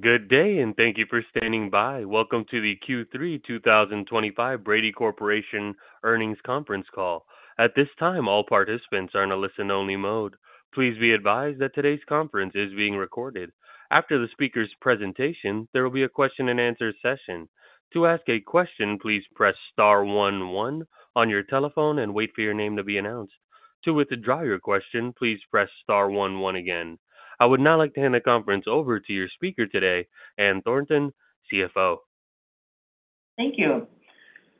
Good day, and thank you for standing by. Welcome to the Q3 2025 Brady Corporation earnings conference call. At this time, all participants are in a listen-only mode. Please be advised that today's conference is being recorded. After the speaker's presentation, there will be a question-and-answer session. To ask a question, please press star one one on your telephone and wait for your name to be announced. To withdraw your question, please press star one one again. I would now like to hand the conference over to your speaker today, Ann Thornton, CFO. Thank you.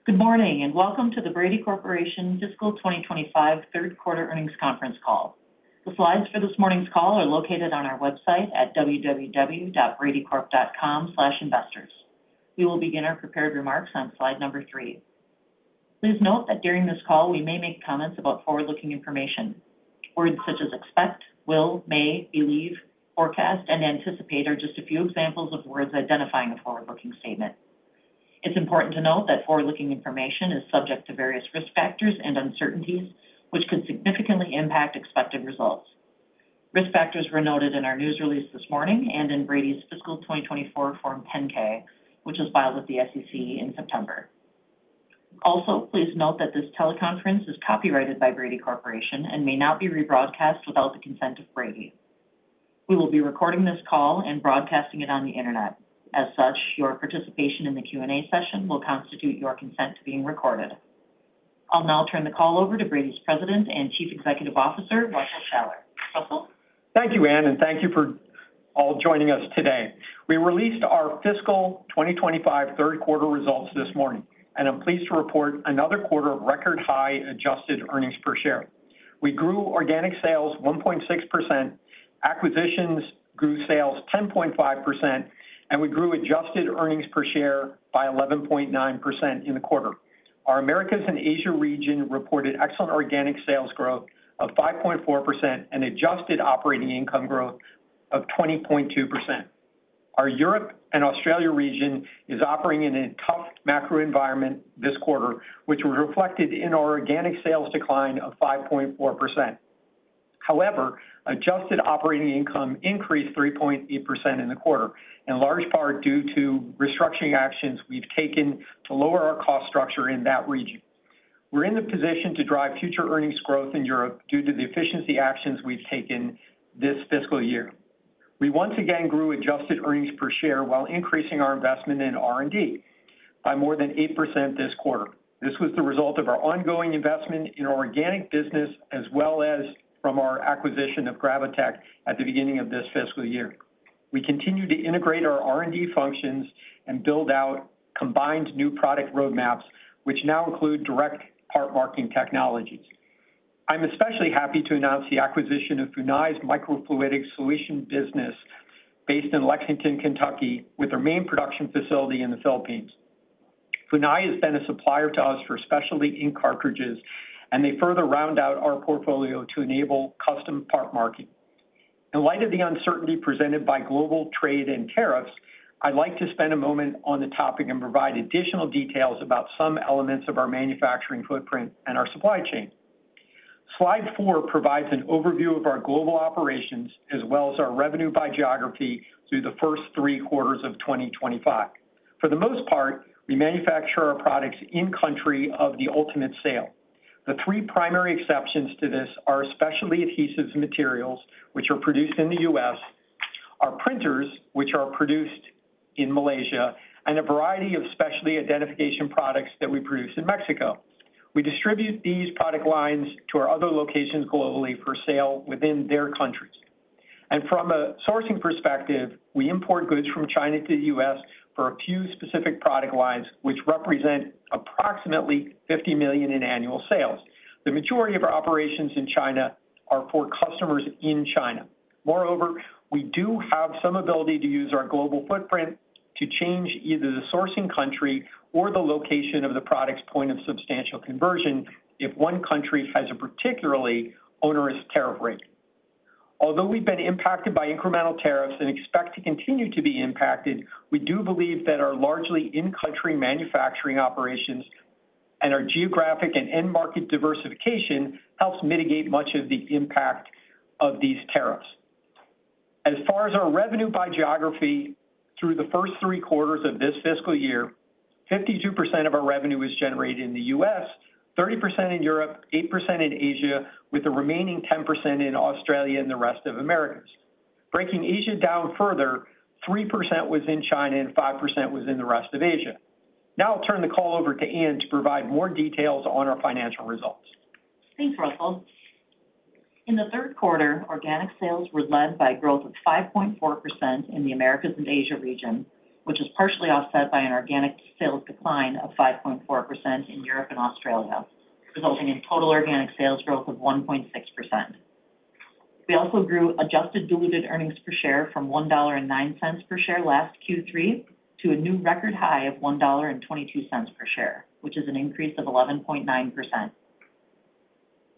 Good morning, and welcome to the Brady Corporation Fiscal 2025 third quarter earnings conference call. The slides for this morning's call are located on our website at www.bradycorp.com/investors. We will begin our prepared remarks on slide number three. Please note that during this call, we may make comments about forward-looking information. Words such as expect, will, may, believe, forecast, and anticipate are just a few examples of words identifying a forward-looking statement. It's important to note that forward-looking information is subject to various risk factors and uncertainties, which could significantly impact expected results. Risk factors were noted in our news release this morning and in Brady's Fiscal 2024 Form 10-K, which was filed with the SEC in September. Also, please note that this teleconference is copyrighted by Brady Corporation and may not be rebroadcast without the consent of Brady. We will be recording this call and broadcasting it on the internet. As such, your participation in the Q&A session will constitute your consent to being recorded. I'll now turn the call over to Brady's President and Chief Executive Officer, Russell Shaller. Russell. Thank you, Ann, and thank you for all joining us today. We released our fiscal 2025 third quarter results this morning, and I'm pleased to report another quarter of record high adjusted earnings per share. We grew organic sales 1.6%, acquisitions grew sales 10.5%, and we grew adjusted earnings per share by 11.9% in the quarter. Our Americas and Asia region reported excellent organic sales growth of 5.4% and adjusted operating income growth of 20.2%. Our Europe and Australia region is operating in a tough macro environment this quarter, which was reflected in our organic sales decline of 5.4%. However, adjusted operating income increased 3.8% in the quarter, in large part due to restructuring actions we've taken to lower our cost structure in that region. We're in the position to drive future earnings growth in Europe due to the efficiency actions we've taken this fiscal year. We once again grew adjusted earnings per share while increasing our investment in R&D by more than 8% this quarter. This was the result of our ongoing investment in organic business as well as from our acquisition of Graoitech at the beginning of this fiscal year. We continue to integrate our R&D functions and build out combined new product roadmaps, which now include direct part marking technologies. I'm especially happy to announce the acquisition of Funai's microfluidic solution business based in Lexington, Kentucky, with their main production facility in the Philippines. Funai has been a supplier to us for specialty ink cartridges, and they further round out our portfolio to enable custom part marking. In light of the uncertainty presented by global trade and tariffs, I'd like to spend a moment on the topic and provide additional details about some elements of our manufacturing footprint and our supply chain. Slide four provides an overview of our global operations as well as our revenue by geography through the first three quarters of 2025. For the most part, we manufacture our products in country of the ultimate sale. The three primary exceptions to this are specialty adhesives materials, which are produced in the U.S., our printers, which are produced in Malaysia, and a variety of specialty identification products that we produce in Mexico. We distribute these product lines to our other locations globally for sale within their countries. From a sourcing perspective, we import goods from China to the U.S. for a few specific product lines, which represent approximately $50 million in annual sales. The majority of our operations in China are for customers in China. Moreover, we do have some ability to use our global footprint to change either the sourcing country or the location of the product's point of substantial conversion if one country has a particularly onerous tariff rate. Although we've been impacted by incremental tariffs and expect to continue to be impacted, we do believe that our largely in-country manufacturing operations and our geographic and end market diversification helps mitigate much of the impact of these tariffs. As far as our revenue by geography through the first three quarters of this fiscal year, 52% of our revenue was generated in the U.S., 30% in Europe, 8% in Asia, with the remaining 10% in Australia and the rest of America. Breaking Asia down further, 3% was in China and 5% was in the rest of Asia. Now I'll turn the call over to Ann to provide more details on our financial results. Thanks, Russell. In the third quarter, organic sales were led by growth of 5.4% in the Americas and Asia region, which is partially offset by an organic sales decline of 5.4% in Europe and Australia, resulting in total organic sales growth of 1.6%. We also grew adjusted diluted earnings per share from $1.09 per share last Q3 to a new record high of $1.22 per share, which is an increase of 11.9%.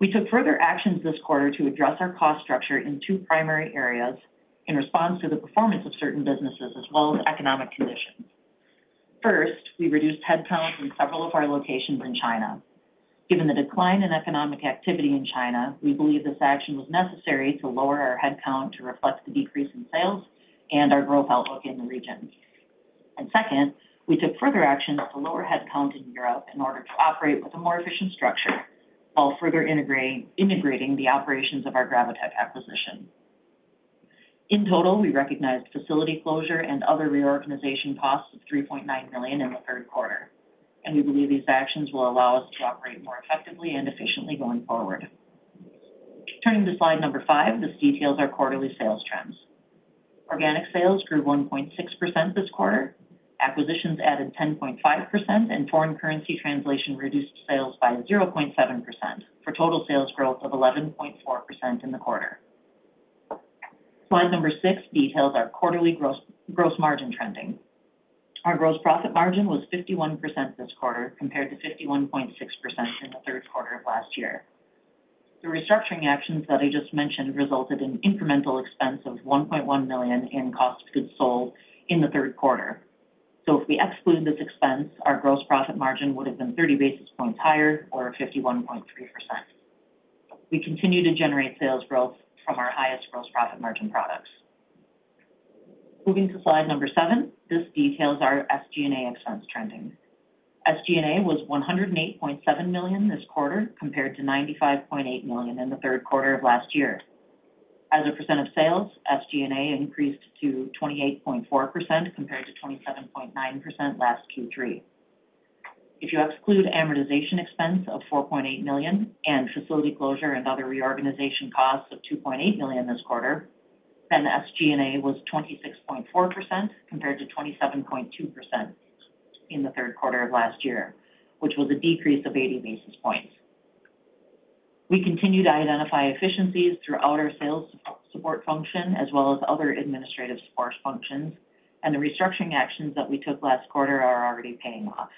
We took further actions this quarter to address our cost structure in two primary areas in response to the performance of certain businesses as well as economic conditions. First, we reduced headcount in several of our locations in China. Given the decline in economic activity in China, we believe this action was necessary to lower our headcount to reflect the decrease in sales and our growth outlook in the region. Second, we took further actions to lower headcount in Europe in order to operate with a more efficient structure, while further integrating the operations of our Gravotech acquisition. In total, we recognized facility closure and other reorganization costs of $3.9 million in the third quarter, and we believe these actions will allow us to operate more effectively and efficiently going forward. Turning to slide number five, this details our quarterly sales trends. Organic sales grew 1.6% this quarter, acquisitions added 10.5%, and foreign currency translation reduced sales by 0.7% for total sales growth of 11.4% in the quarter. Slide number six details our quarterly gross margin trending. Our gross profit margin was 51% this quarter compared to 51.6% in the third quarter of last year. The restructuring actions that I just mentioned resulted in incremental expense of $1.1 million in cost of goods sold in the third quarter. If we exclude this expense, our gross profit margin would have been 30 basis points higher or 51.3%. We continue to generate sales growth from our highest gross profit margin products. Moving to slide number seven, this details our SG&A expense trending. SG&A was $108.7 million this quarter compared to $95.8 million in the third quarter of last year. As a percent of sales, SG&A increased to 28.4% compared to 27.9% last Q3. If you exclude amortization expense of $4.8 million and facility closure and other reorganization costs of $2.8 million this quarter, then SG&A was 26.4% compared to 27.2% in the third quarter of last year, which was a decrease of 80 basis points. We continue to identify efficiencies throughout our sales support function as well as other administrative support functions, and the restructuring actions that we took last quarter are already paying off.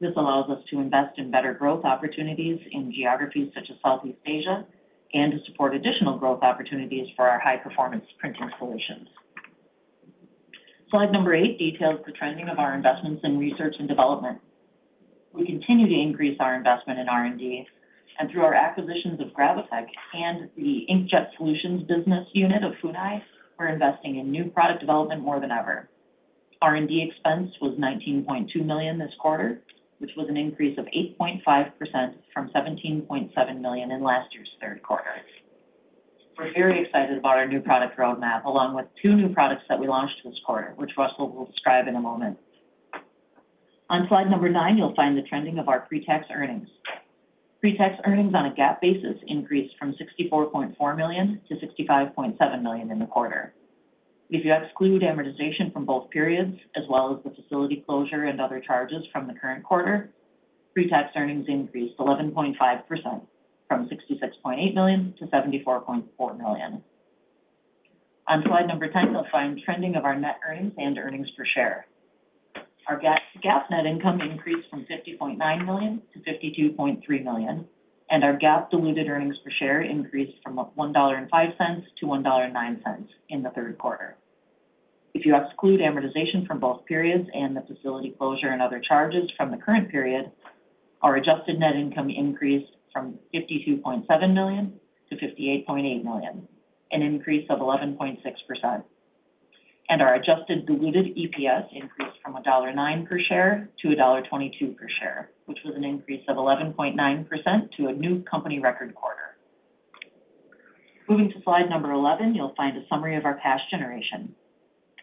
This allows us to invest in better growth opportunities in geographies such as Southeast Asia and to support additional growth opportunities for our high-performance printing solutions. Slide number eight details the trending of our investments in research and development. We continue to increase our investment in R&D, and through our acquisitions of Gravotech and the inkjet solutions business unit of Funai, we're investing in new product development more than ever. R&D expense was $19.2 million this quarter, which was an increase of 8.5% from $17.7 million in last year's third quarter. We're very excited about our new product roadmap, along with two new products that we launched this quarter, which Russell will describe in a moment. On slide number nine, you'll find the trending of our pre-tax earnings. Pre-tax earnings on a GAAP basis increased from $64.4 million–$65.7 million in the quarter. If you exclude amortization from both periods as well as the facility closure and other charges from the current quarter, pre-tax earnings increased 11.5% from $66.8 million–$74.4 million. On slide number ten, you'll find trending of our net earnings and earnings per share. Our GAAP net income increased from $50.9 million–$52.3 million, and our GAAP diluted earnings per share increased from $1.05–$1.09 in the third quarter. If you exclude amortization from both periods and the facility closure and other charges from the current period, our adjusted net income increased from $52.7 million–$58.8 million, an increase of 11.6%. Our adjusted diluted EPS increased from $1.09 per share–$1.22 per share, which was an increase of 11.9% to a new company record quarter. Moving to slide number 11, you'll find a summary of our cash generation.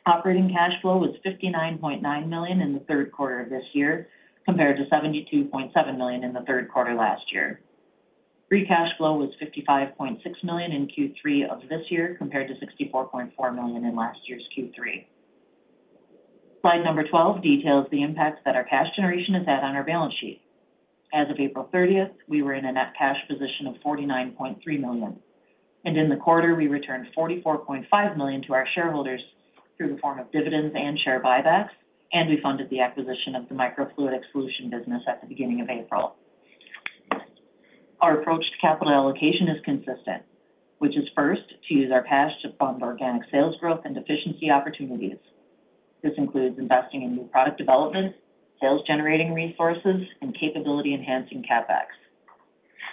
Operating cash flow was $59.9 million in the third quarter of this year compared to $72.7 million in the third quarter last year. Free cash flow was $55.6 million in Q3 of this year compared to $64.4 million in last year's Q3. Slide number 12 details the impact that our cash generation has had on our balance sheet. As of April 30, we were in a net cash position of $49.3 million. In the quarter, we returned $44.5 million to our shareholders through the form of dividends and share buybacks, and we funded the acquisition of the microfluidic solution business at the beginning of April. Our approach to capital allocation is consistent, which is first to use our cash to fund organic sales growth and efficiency opportunities. This includes investing in new product development, sales-generating resources, and capability-enhancing CapEx.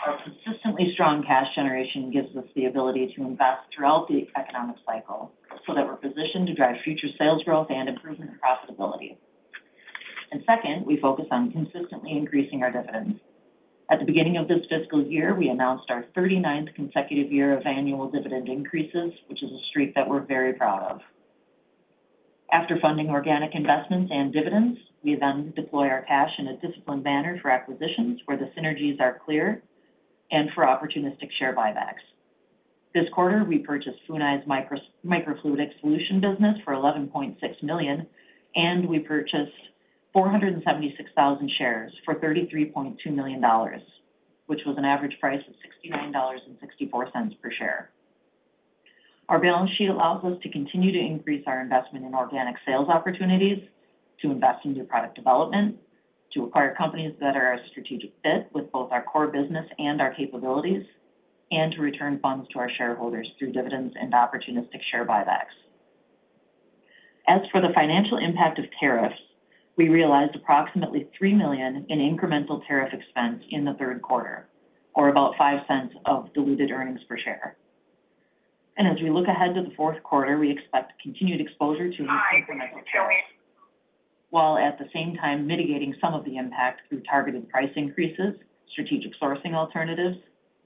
Our consistently strong cash generation gives us the ability to invest throughout the economic cycle so that we're positioned to drive future sales growth and improvement in profitability. We focus on consistently increasing our dividends. At the beginning of this fiscal year, we announced our 39th consecutive year of annual dividend increases, which is a streak that we're very proud of. After funding organic investments and dividends, we then deploy our cash in a disciplined manner for acquisitions where the synergies are clear and for opportunistic share buybacks. This quarter, we purchased Funai's microfluidic solution business for $11.6 million, and we purchased 476,000 shares for $33.2 million, which was an average price of $69.64 per share. Our balance sheet allows us to continue to increase our investment in organic sales opportunities, to invest in new product development, to acquire companies that are a strategic fit with both our core business and our capabilities, and to return funds to our shareholders through dividends and opportunistic share buybacks. As for the financial impact of tariffs, we realized approximately $3 million in incremental tariff expense in the third quarter, or about $0.05 of diluted earnings per share. As we look ahead to the fourth quarter, we expect continued exposure to incremental tariffs, while at the same time mitigating some of the impact through targeted price increases, strategic sourcing alternatives,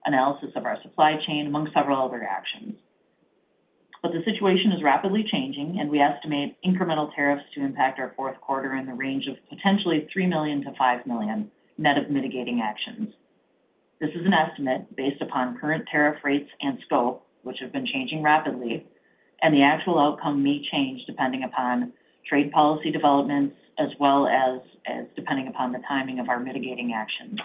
analysis of our supply chain, among several other actions. The situation is rapidly changing, and we estimate incremental tariffs to impact our fourth quarter in the range of potentially $3 million–$5 million net of mitigating actions. This is an estimate based upon current tariff rates and scope, which have been changing rapidly, and the actual outcome may change depending upon trade policy developments as well as depending upon the timing of our mitigating actions.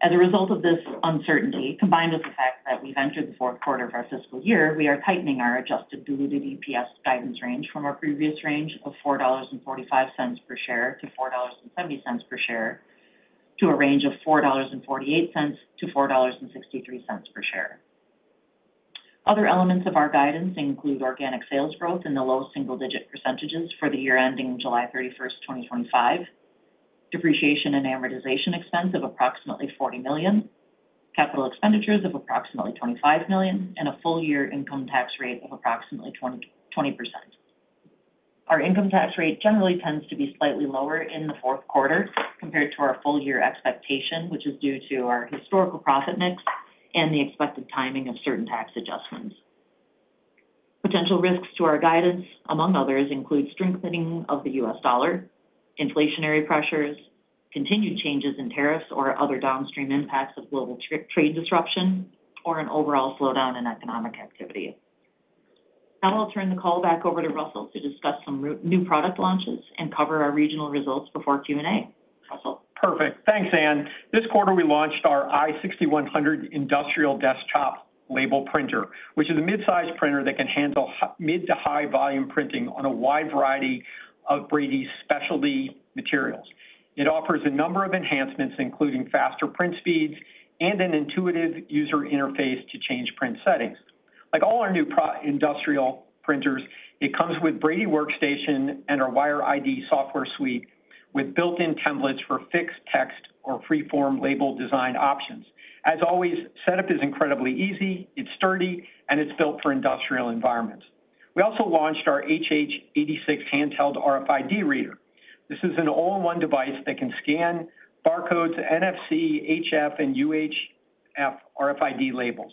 As a result of this uncertainty, combined with the fact that we've entered the fourth quarter of our fiscal year, we are tightening our adjusted diluted EPS guidance range from our previous range of $4.45 per share–$4.70 per share, to a range of $4.48–$4.63 per share. Other elements of our guidance include organic sales growth in the low single-digit percentages for the year ending July 31, 2025, depreciation and amortization expense of approximately $40 million, capital expenditures of approximately $25 million, and a full-year income tax rate of approximately 20%. Our income tax rate generally tends to be slightly lower in the fourth quarter compared to our full-year expectation, which is due to our historical profit mix and the expected timing of certain tax adjustments. Potential risks to our guidance, among others, include strengthening of the U.S. dollar, inflationary pressures, continued changes in tariffs or other downstream impacts of global trade disruption, or an overall slowdown in economic activity. Now I'll turn the call back over to Russell to discuss some new product launches and cover our regional results before Q&A. Russell. Perfect. Thanks, Ann. This quarter, we launched our i6100 industrial desktop label printer, which is a mid-size printer that can handle mid to high volume printing on a wide variety of Brady's specialty materials. It offers a number of enhancements, including faster print speeds and an intuitive user interface to change print settings. Like all our new industrial printers, it comes with Brady Workstation and our Wire ID software suite with built-in templates for fixed text or freeform label design options. As always, setup is incredibly easy, it's sturdy, and it's built for industrial environments. We also launched our HH86 handheld RFID reader. This is an all-in-one device that can scan barcodes, NFC, HF, and UHF RFID labels.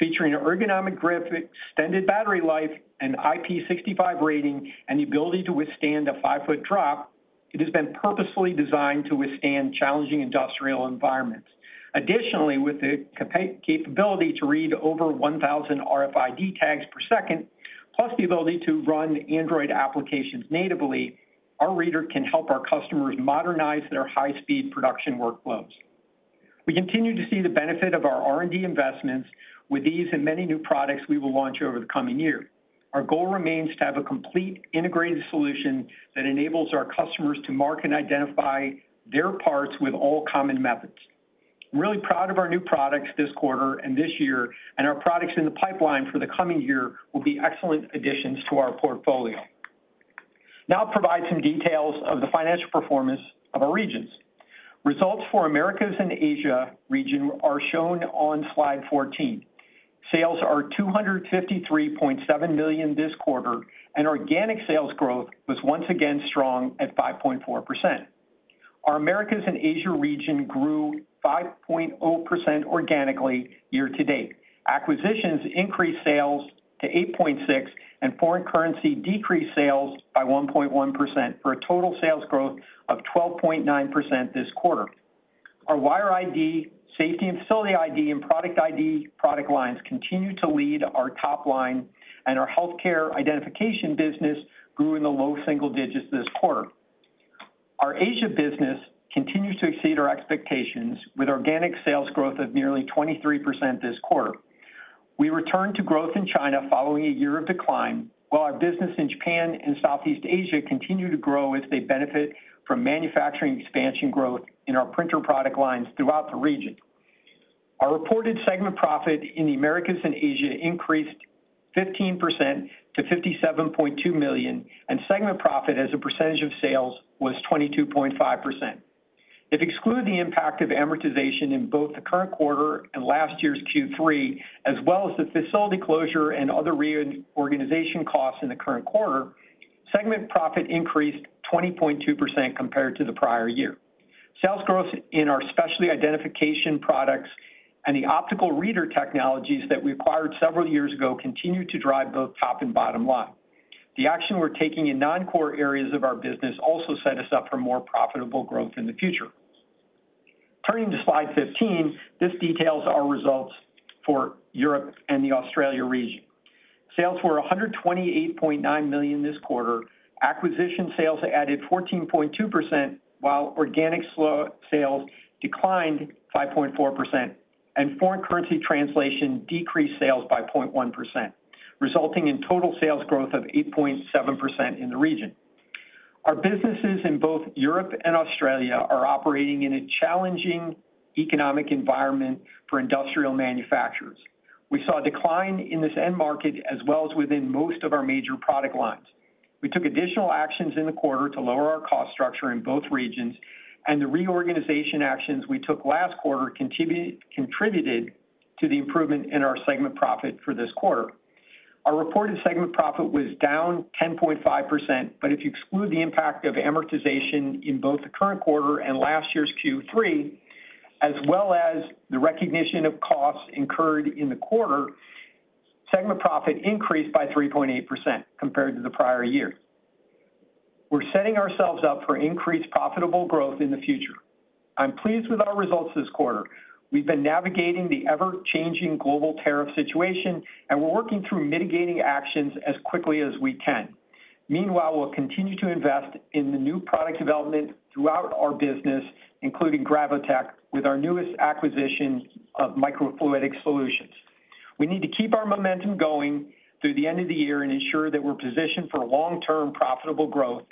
Featuring an ergonomic grip, extended battery life, an IP65 rating, and the ability to withstand a 5-foot drop, it has been purposefully designed to withstand challenging industrial environments. Additionally, with the capability to read over 1,000 RFID tags per second, plus the ability to run Android applications natively, our reader can help our customers modernize their high-speed production workflows. We continue to see the benefit of our R&D investments with these and many new products we will launch over the coming year. Our goal remains to have a complete integrated solution that enables our customers to mark and identify their parts with all common methods. I'm really proud of our new products this quarter and this year, and our products in the pipeline for the coming year will be excellent additions to our portfolio. Now I'll provide some details of the financial performance of our regions. Results for Americas and Asia region are shown on slide 14. Sales are $253.7 million this quarter, and organic sales growth was once again strong at 5.4%. Our Americas and Asia region grew 5.0% organically year to date. Acquisitions increased sales to 8.6%, and foreign currency decreased sales by 1.1% for a total sales growth of 12.9% this quarter. Our Wire ID, safety and facility ID, and product ID product lines continue to lead our top line, and our healthcare identification business grew in the low single digits this quarter. Our Asia business continues to exceed our expectations with organic sales growth of nearly 23% this quarter. We returned to growth in China following a year of decline, while our business in Japan and Southeast Asia continued to grow as they benefit from manufacturing expansion growth in our printer product lines throughout the region. Our reported segment profit in the Americas and Asia increased 15% to $57.2 million, and segment profit as a percentage of sales was 22.5%. If we exclude the impact of amortization in both the current quarter and last year's Q3, as well as the facility closure and other reorganization costs in the current quarter, segment profit increased 20.2% compared to the prior year. Sales growth in our specialty identification products and the optical reader technologies that we acquired several years ago continue to drive both top and bottom line. The action we're taking in non-core areas of our business also sets us up for more profitable growth in the future. Turning to slide 15, this details our results for Europe and the Australia region. Sales were $128.9 million this quarter. Acquisition sales added 14.2%, while organic sales declined 5.4%, and foreign currency translation decreased sales by 0.1%, resulting in total sales growth of 8.7% in the region. Our businesses in both Europe and Australia are operating in a challenging economic environment for industrial manufacturers. We saw a decline in this end market as well as within most of our major product lines. We took additional actions in the quarter to lower our cost structure in both regions, and the reorganization actions we took last quarter contributed to the improvement in our segment profit for this quarter. Our reported segment profit was down 10.5%, but if you exclude the impact of amortization in both the current quarter and last year's Q3, as well as the recognition of costs incurred in the quarter, segment profit increased by 3.8% compared to the prior year. We're setting ourselves up for increased profitable growth in the future. I'm pleased with our results this quarter. We've been navigating the ever-changing global tariff situation, and we're working through mitigating actions as quickly as we can. Meanwhile, we'll continue to invest in the new product development throughout our business, including Gravotech, with our newest acquisition of microfluidic solutions. We need to keep our momentum going through the end of the year and ensure that we're positioned for long-term profitable growth,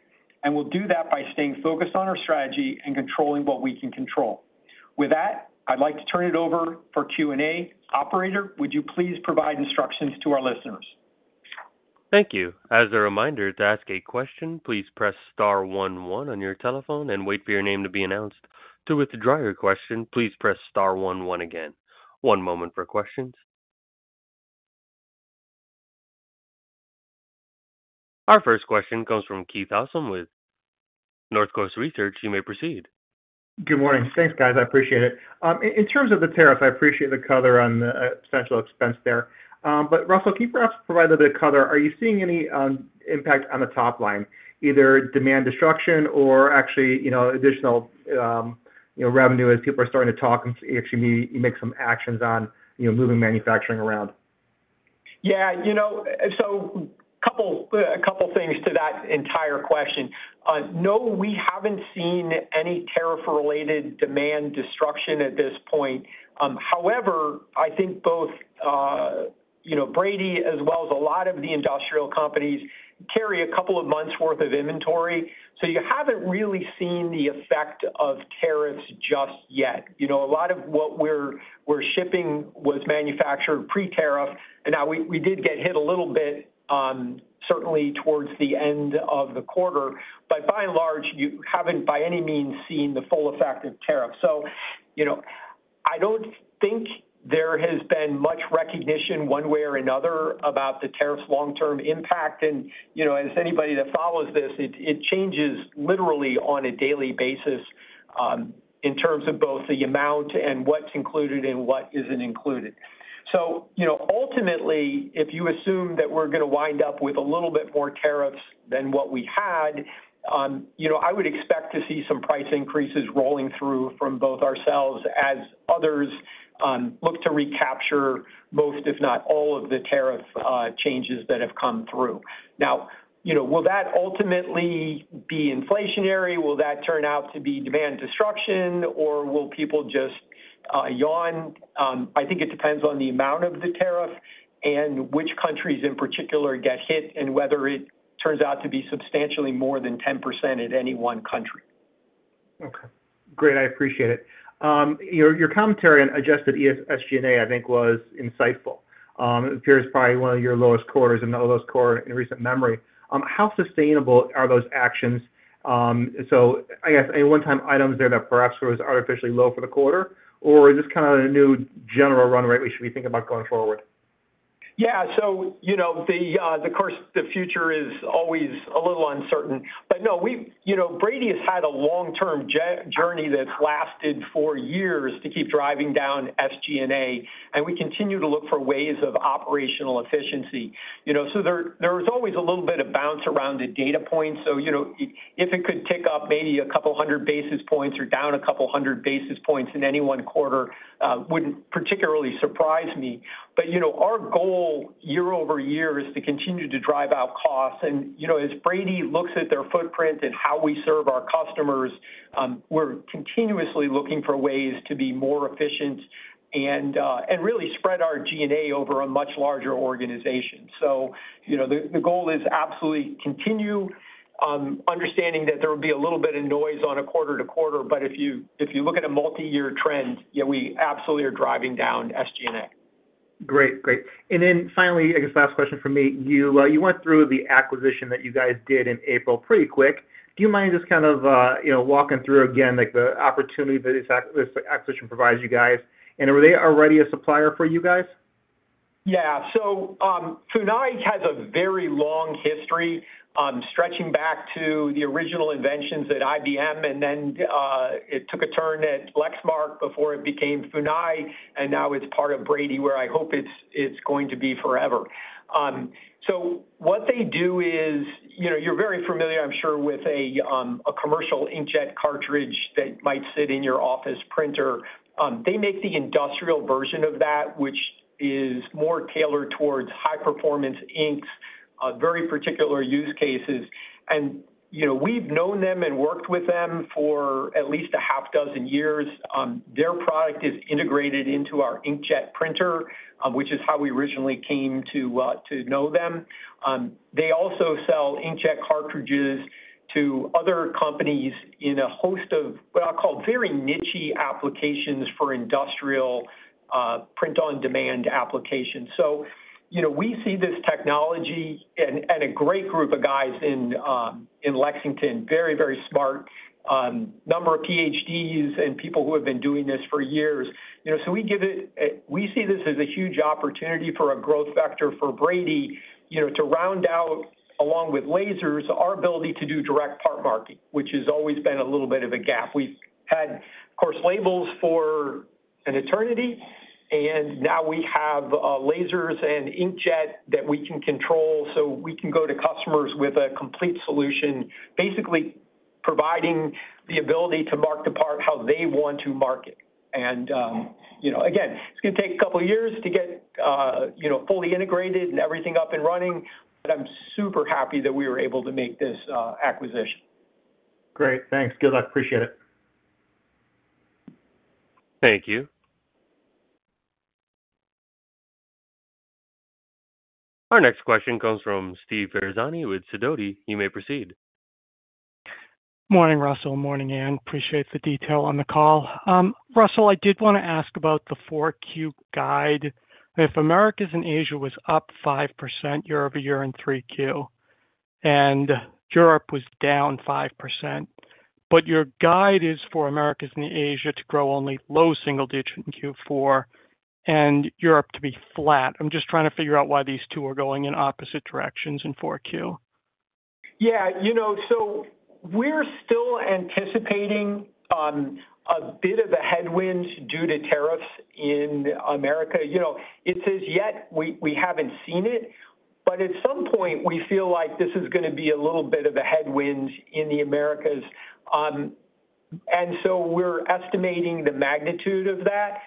and we'll do that by staying focused on our strategy and controlling what we can control. With that, I'd like to turn it over for Q&A. Operator, would you please provide instructions to our listeners? Thank you. As a reminder, to ask a question, please press star one one on your telephone and wait for your name to be announced. To withdraw your question, please press star one one again. One moment for questions. Our first question comes from Keith Housum with North Coast Research. You may proceed. Good morning. Thanks, guys. I appreciate it. In terms of the tariff, I appreciate the color on the potential expense there. Russell, Keith perhaps provided a bit of color. Are you seeing any impact on the top line, either demand destruction or actually additional revenue as people are starting to talk and actually make some actions on moving manufacturing around? Yeah. A couple of things to that entire question. No, we haven't seen any tariff-related demand destruction at this point. However, I think both Brady as well as a lot of the industrial companies carry a couple of months' worth of inventory, so you haven't really seen the effect of tariffs just yet. A lot of what we're shipping was manufactured pre-tariff, and now we did get hit a little bit, certainly towards the end of the quarter, but by and large, you haven't by any means seen the full effect of tariffs. I don't think there has been much recognition one way or another about the tariff's long-term impact. As anybody that follows this, it changes literally on a daily basis in terms of both the amount and what's included and what isn't included. Ultimately, if you assume that we're going to wind up with a little bit more tariffs than what we had, I would expect to see some price increases rolling through from both ourselves as others look to recapture most, if not all, of the tariff changes that have come through. Now, will that ultimately be inflationary? Will that turn out to be demand destruction, or will people just yawn? I think it depends on the amount of the tariff and which countries in particular get hit and whether it turns out to be substantially more than 10% in any one country. Okay. Great. I appreciate it. Your commentary on adjusted SG&A, I think, was insightful. It appears probably one of your lowest quarters and the lowest quarter in recent memory. How sustainable are those actions? I guess any one-time items there that perhaps were artificially low for the quarter, or is this kind of a new general run rate we should be thinking about going forward? Yeah. Of course, the future is always a little uncertain. No, Brady has had a long-term journey that's lasted for years to keep driving down SG&A, and we continue to look for ways of operational efficiency. There is always a little bit of bounce around the data points. If it could tick up maybe a couple hundred basis points or down a couple hundred basis points in any one quarter, it would not particularly surprise me. Our goal year over year is to continue to drive out costs. As Brady looks at their footprint and how we serve our customers, we're continuously looking for ways to be more efficient and really spread our G&A over a much larger organization. The goal is absolutely to continue understanding that there will be a little bit of noise on a quarter-to-quarter, but if you look at a multi-year trend, we absolutely are driving down SG&A. Great. Great. Finally, I guess last question for me. You went through the acquisition that you guys did in April pretty quick. Do you mind just kind of walking through again the opportunity that this acquisition provides you guys? Are they already a supplier for you guys? Yeah. Funai has a very long history stretching back to the original inventions at IBM, and then it took a turn at Lexmark before it became Funai, and now it's part of Brady where I hope it's going to be forever. What they do is you're very familiar, I'm sure, with a commercial inkjet cartridge that might sit in your office printer. They make the industrial version of that, which is more tailored towards high-performance inks, very particular use cases. We've known them and worked with them for at least a half dozen years. Their product is integrated into our inkjet printer, which is how we originally came to know them. They also sell inkjet cartridges to other companies in a host of what I'll call very niche applications for industrial print-on-demand applications. We see this technology and a great group of guys in Lexington, very, very smart, a number of PhDs and people who have been doing this for years. We see this as a huge opportunity for a growth vector for Brady to round out, along with lasers, our ability to do direct part marking, which has always been a little bit of a gap. We've had, of course, labels for an eternity, and now we have lasers and inkjet that we can control so we can go to customers with a complete solution, basically providing the ability to mark the part how they want to mark it. Again, it's going to take a couple of years to get fully integrated and everything up and running, but I'm super happy that we were able to make this acquisition. Great. Thanks. Good. I appreciate it. Thank you. Our next question comes from Steve Ferazani with Sidoti. You may proceed. Good morning, Russell. Morning, Ann. Appreciate the detail on the call. Russell, I did want to ask about the 4Q guide. If Americas and Asia was up 5% year over year in 3Q and Europe was down 5%, but your guide is for Americas and Asia to grow only low single digit in Q4 and Europe to be flat. I'm just trying to figure out why these two are going in opposite directions in 4Q. Yeah. So we're still anticipating a bit of a headwind due to tariffs in America. It says yet we haven't seen it, but at some point, we feel like this is going to be a little bit of a headwind in the Americas. And so we're estimating the magnitude of that.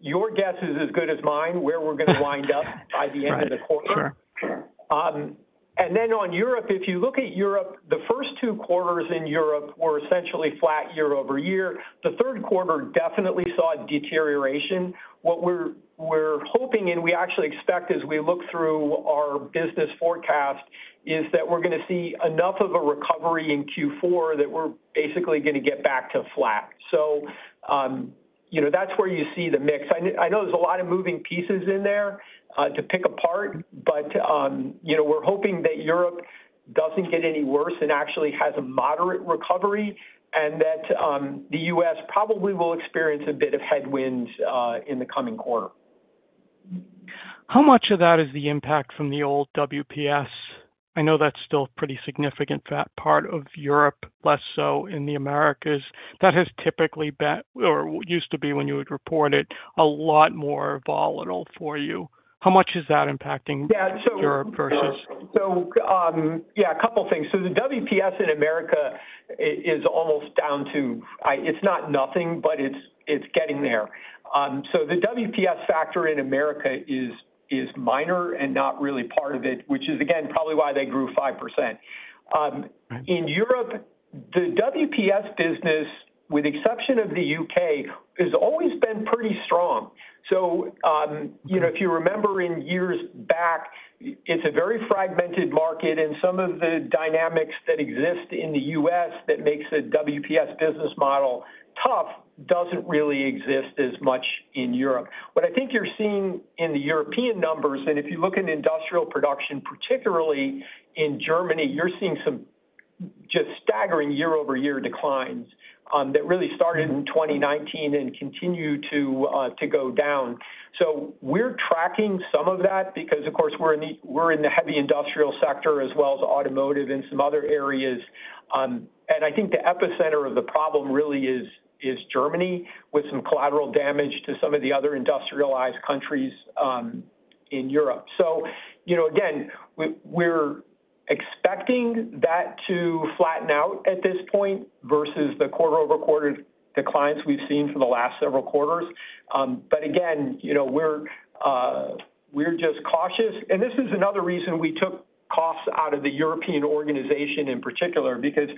Your guess is as good as mine, where we're going to wind up by the end of the quarter. Sure. Sure. If you look at Europe, the first two quarters in Europe were essentially flat year over year. The third quarter definitely saw deterioration. What we're hoping and we actually expect as we look through our business forecast is that we're going to see enough of a recovery in Q4 that we're basically going to get back to flat. That's where you see the mix. I know there's a lot of moving pieces in there to pick apart, but we're hoping that Europe doesn't get any worse and actually has a moderate recovery and that the U.S. probably will experience a bit of headwinds in the coming quarter. How much of that is the impact from the old WPS? I know that's still a pretty significant part of Europe, less so in the Americas. That has typically been, or used to be when you would report it, a lot more volatile for you. How much is that impacting Europe versus? Yeah, a couple of things. The WPS in America is almost down to, it's not nothing, but it's getting there. The WPS factor in America is minor and not really part of it, which is, again, probably why they grew 5%. In Europe, the WPS business, with the exception of the U.K., has always been pretty strong. If you remember in years back, it's a very fragmented market, and some of the dynamics that exist in the U.S. that make a WPS business model tough don't really exist as much in Europe. What I think you're seeing in the European numbers, and if you look at industrial production, particularly in Germany, you're seeing some just staggering year-over-year declines that really started in 2019 and continue to go down. We're tracking some of that because, of course, we're in the heavy industrial sector as well as automotive and some other areas. I think the epicenter of the problem really is Germany with some collateral damage to some of the other industrialized countries in Europe. Again, we're expecting that to flatten out at this point versus the quarter-over-quarter declines we've seen for the last several quarters. Again, we're just cautious. This is another reason we took costs out of the European organization in particular because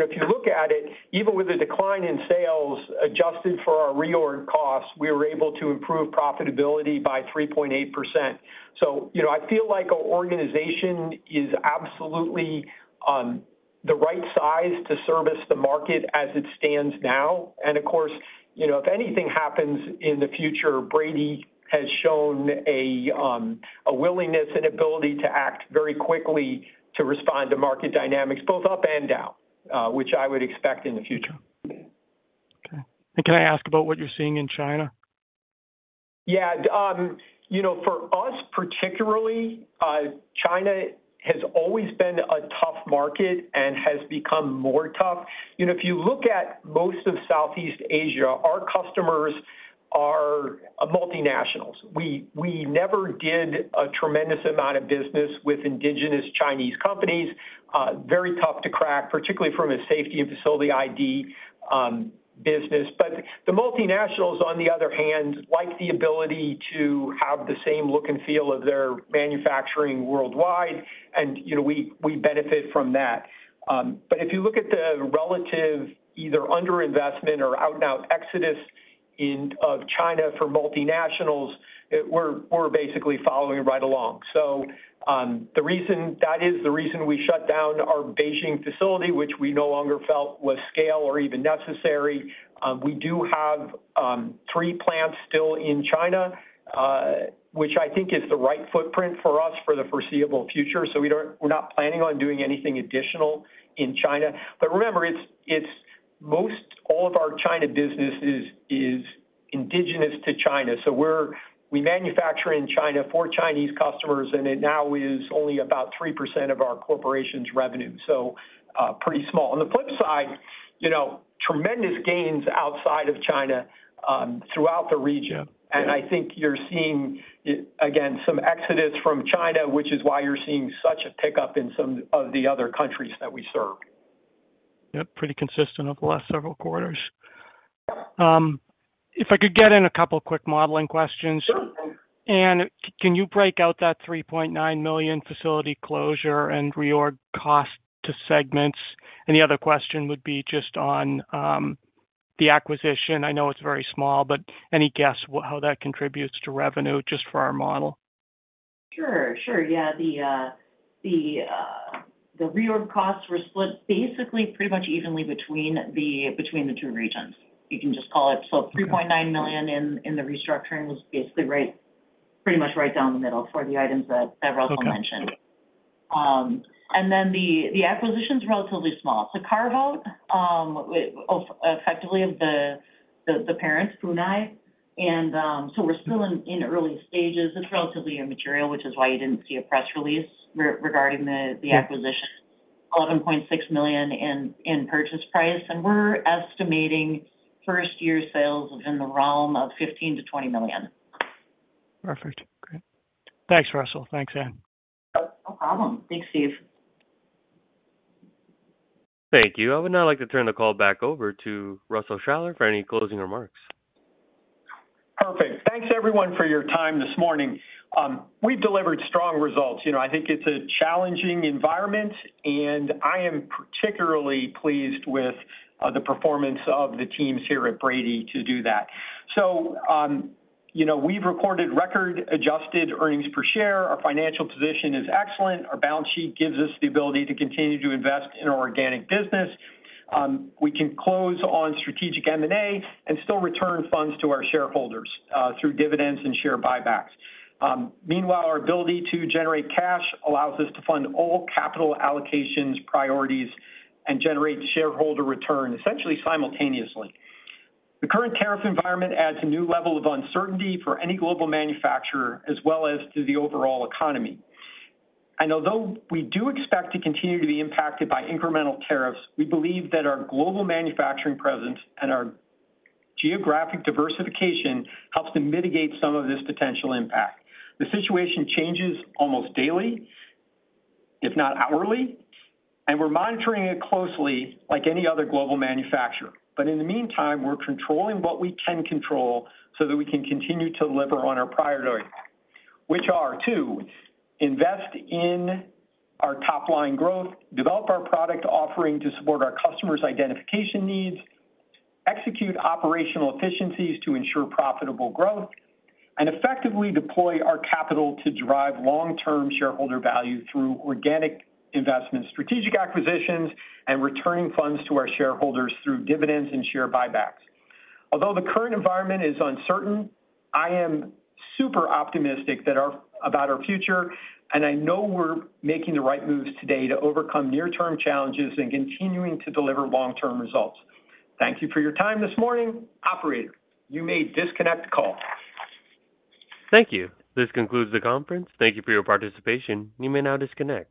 if you look at it, even with a decline in sales adjusted for our reorg costs, we were able to improve profitability by 3.8%. I feel like our organization is absolutely the right size to service the market as it stands now. Of course, if anything happens in the future, Brady has shown a willingness and ability to act very quickly to respond to market dynamics both up and down, which I would expect in the future. Okay. Can I ask about what you're seeing in China? Yeah. For us particularly, China has always been a tough market and has become more tough. If you look at most of Southeast Asia, our customers are multinationals. We never did a tremendous amount of business with indigenous Chinese companies. Very tough to crack, particularly from a safety and facility ID business. The multinationals, on the other hand, like the ability to have the same look and feel of their manufacturing worldwide, and we benefit from that. If you look at the relative either underinvestment or out-and-out exodus of China for multinationals, we're basically following right along. That is the reason we shut down our Beijing facility, which we no longer felt was scale or even necessary. We do have three plants still in China, which I think is the right footprint for us for the foreseeable future. We're not planning on doing anything additional in China. Remember, all of our China business is indigenous to China. We manufacture in China for Chinese customers, and it now is only about 3% of our corporation's revenue. Pretty small. On the flip side, tremendous gains outside of China throughout the region. I think you're seeing, again, some exodus from China, which is why you're seeing such a pickup in some of the other countries that we serve. Yep. Pretty consistent over the last several quarters. If I could get in a couple of quick modeling questions. Sure. Ann, can you break out that $3.9 million facility closure and reorg cost to segments? The other question would be just on the acquisition. I know it's very small, but any guess how that contributes to revenue just for our model? Sure. Sure. Yeah. The reorg costs were split basically pretty much evenly between the two regions. You can just call it. So $3.9 million in the restructuring was basically pretty much right down the middle for the items that Russell mentioned. The acquisition's relatively small. It's a carve-out effectively of the parent, Funai. We're still in early stages. It's relatively immaterial, which is why you didn't see a press release regarding the acquisition. $11.6 million in purchase price. We're estimating first-year sales within the realm of $15 million–$20 million. Perfect. Great. Thanks, Russell. Thanks, Ann. No problem. Thanks, Steve. Thank you. I would now like to turn the call back over to Russell Shaller for any closing remarks. Perfect. Thanks, everyone, for your time this morning. We've delivered strong results. I think it's a challenging environment, and I am particularly pleased with the performance of the teams here at Brady to do that. We've recorded record-adjusted earnings per share. Our financial position is excellent. Our balance sheet gives us the ability to continue to invest in our organic business. We can close on strategic M&A and still return funds to our shareholders through dividends and share buybacks. Meanwhile, our ability to generate cash allows us to fund all capital allocations priorities and generate shareholder return essentially simultaneously. The current tariff environment adds a new level of uncertainty for any global manufacturer as well as to the overall economy. Although we do expect to continue to be impacted by incremental tariffs, we believe that our global manufacturing presence and our geographic diversification helps to mitigate some of this potential impact. The situation changes almost daily, if not hourly, and we're monitoring it closely like any other global manufacturer. In the meantime, we're controlling what we can control so that we can continue to deliver on our priorities, which are, two, invest in our top-line growth, develop our product offering to support our customers' identification needs, execute operational efficiencies to ensure profitable growth, and effectively deploy our capital to drive long-term shareholder value through organic investments, strategic acquisitions, and returning funds to our shareholders through dividends and share buybacks. Although the current environment is uncertain, I am super optimistic about our future, and I know we're making the right moves today to overcome near-term challenges and continuing to deliver long-term results. Thank you for your time this morning. Operator, you may disconnect call. Thank you. This concludes the conference. Thank you for your participation. You may now disconnect.